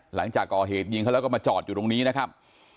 หลังจากก่อเหตุยิงเขาแล้วก็มาจอดอยู่ตรงนี้นะครับ